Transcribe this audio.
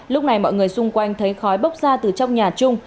lúc này mọi người xung quanh thấy khói bốc ra từ trong nhà chung